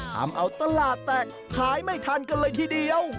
ทำเอาตลาดแตกขายไม่ทันกันเลยทีเดียว